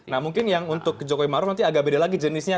nah mungkin yang untuk jokowi maruf nanti agak beda lagi jenisnya